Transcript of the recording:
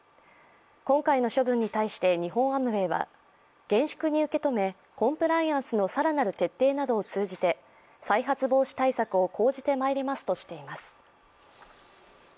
今回の処分に対して日本アムウェイは厳粛に受け止めコンプライアンスの更なる徹底などを通じて再発防止対策を講じてまいりますとしています。